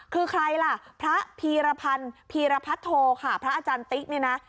คือใครล่ะพระพีรพันธ์พีรพัทโทค่ะพระอาจารย์ติ๊กเนี่ยนะ